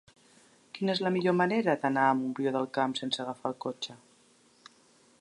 Quina és la millor manera d'anar a Montbrió del Camp sense agafar el cotxe?